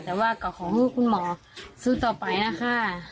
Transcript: แต่ว่าก็ขอให้คุณหมอสู้ต่อไปนะคะ